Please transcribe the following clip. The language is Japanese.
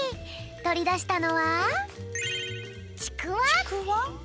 とりだしたのはちくわ？